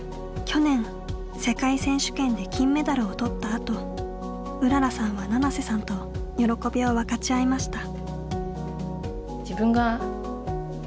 去年世界選手権で金メダルを取ったあとうららさんは七瀬さんと喜びを分かち合いました。